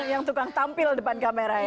yang tukang tampil depan kamera ya